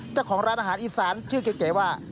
เจ้าของร้านอาหารอีสานชื่อเก๋ว่า